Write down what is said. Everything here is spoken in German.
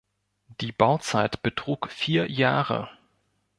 Die Bauzeit betrug vier Jahre.